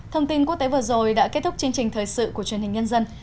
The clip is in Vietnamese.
thông tin quốc tế vừa rồi đã kết thúc chương trình thời sự của truyền hình nhân dân